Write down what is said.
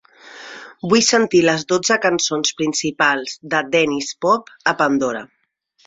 Vull sentir les dotze cançons principals de Denniz Pop a Pandora.